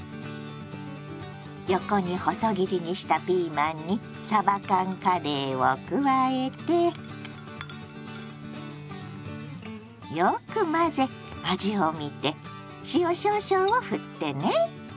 横に細切りにしたピーマンにさば缶カレーを加えてよく混ぜ味を見て塩少々をふってね。